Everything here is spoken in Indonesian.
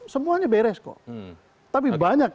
semuanya beres kok tapi banyak